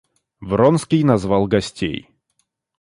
Вронский назвал гостей.